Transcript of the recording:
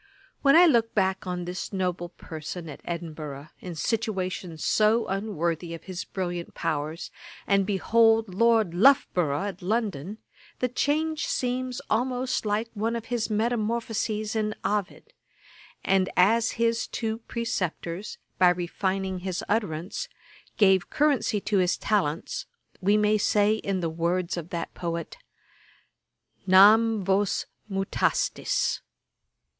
When I look back on this noble person at Edinburgh, in situations so unworthy of his brilliant powers, and behold LORD LOUGHBOROUGH at London, the change seems almost like one of the metamorphoses in Ovid; and as his two preceptors, by refining his utterance, gave currency to his talents, we may say in the words of that poet, 'Nam vos mutastis,' [Page 387: Lord Loughborough. Ætat 54.